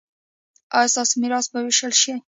ایا ستاسو میراث به ویشل شي؟